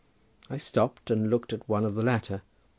I stopped, and looked at one of the latter.